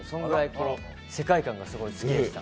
世界観がすごい好きでした。